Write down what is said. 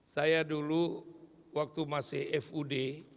saya dulu waktu masih fud